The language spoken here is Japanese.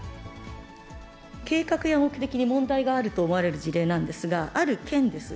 計画目的に問題があると思われる事例なんですが、ある県です。